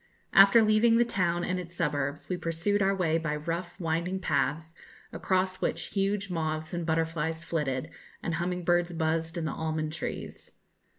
After leaving the town and its suburbs, we pursued our way by rough winding paths, across which huge moths and butterflies flitted, and humming birds buzzed in the almond trees.